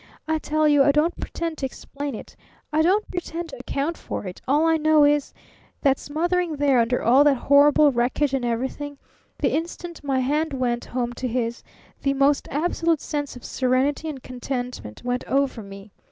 I tell you I don't pretend to explain it, I don't pretend to account for it; all I know is that smothering there under all that horrible wreckage and everything the instant my hand went home to his, the most absolute sense of serenity and contentment went over me.